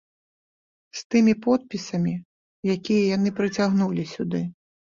З тымі подпісамі, якія яны прыцягнулі сюды.